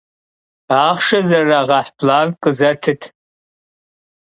Axhşşe zerırağeh blank khızetıt.